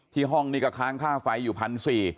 ห้องนี้ก็ค้างค่าไฟอยู่๑๔๐๐บาท